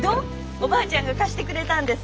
おばあちゃんが貸してくれたんです。